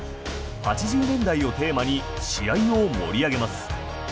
８０年代をテーマに試合を盛り上げます。